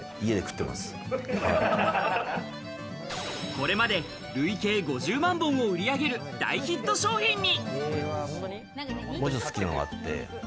これまで累計５０万本を売り上げる大ヒット商品に。